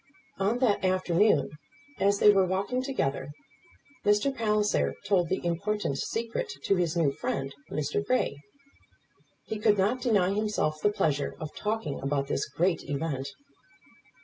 On that afternoon, as they were walking together, Mr. Palliser told the important secret to his new friend, Mr. Grey. He could not deny himself the pleasure of talking about this great event.